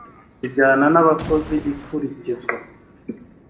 ijyana n abakozi ikurikizwa